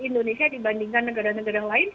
indonesia dibandingkan negara negara lain